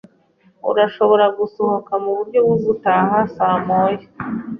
Urashobora gusohoka muburyo bwo gutaha saa moya.